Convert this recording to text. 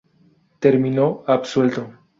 Terminó absuelto.